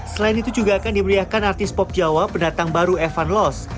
selain itu juga akan diberiakan artis pop jawa pendatang baru evan los